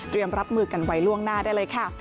รับมือกันไว้ล่วงหน้าได้เลยค่ะ